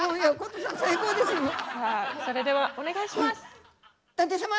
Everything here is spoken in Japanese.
さあそれではお願いします。